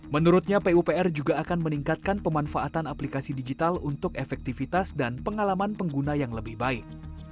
menurutnya pupr juga akan meningkatkan pemanfaatan aplikasi digital untuk efektivitas dan pengalaman pengguna yang lebih baik